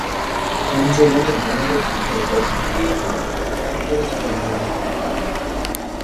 কুঞ্জবনের বনলক্ষ্মীকে দর্শনী দিই আগে, তার পরে যাব মালিনীর সন্ধানে।